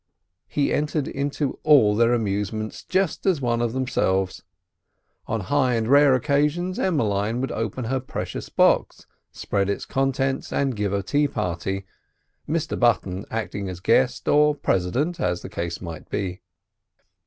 He entered into all their amusements just as one of themselves. On high and rare occasions Emmeline would open her precious box, spread its contents and give a tea party, Mr Button acting as guest or president as the case might be.